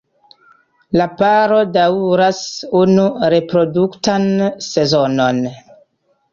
La paro daŭras unu reproduktan sezonon.